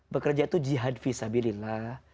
bekerja itu jihad fisabilillah